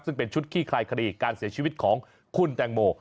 ซึ่งเป็นชุดขี้คลายคดีการเสียชีวิตของคุณแตงโม